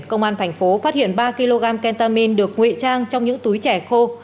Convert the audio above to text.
công an tp phát hiện ba kg kentamin được nguyện trang trong những túi trẻ khô